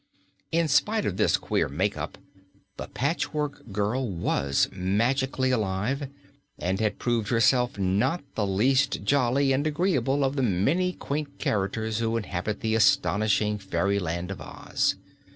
In spite of this queer make up, the Patchwork Girl was magically alive and had proved herself not the least jolly and agreeable of the many quaint characters who inhabit the astonishing Fairyland of Oz.